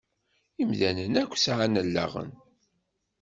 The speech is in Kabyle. Imdanen akk sεan allaɣen.